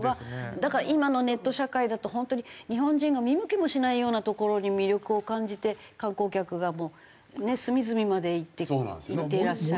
だから今のネット社会だと本当に日本人が見向きもしないような所に魅力を感じて観光客がもう隅々まで行っていらっしゃる。